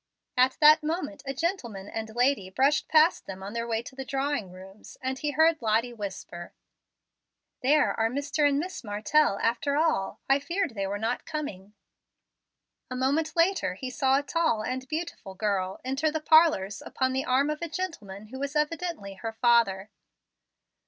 At that moment a gentleman and lady brushed past them on their way to the drawing rooms, and he heard Lottie whisper, "There are Mr. and Miss Martell after all. I feared they were not coming." A moment later he saw a tall and beautiful girl enter the parlors upon the arm of a gentleman who was evidently her father.